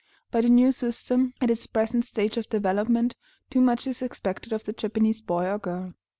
By the new system, at its present stage of development, too much is expected of the Japanese boy or girl.